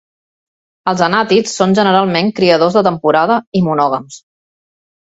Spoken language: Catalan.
Els anàtids són generalment criadors de temporada i monògams.